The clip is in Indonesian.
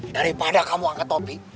daripada kamu angkat topi